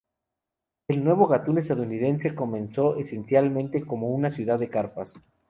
El nuevo Gatún estadounidense comenzó esencialmente como una ciudad de carpas.